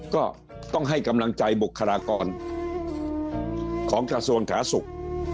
ก็ต้องให้กำลังใจบุคลากรของกระทรวงสาธารณสุข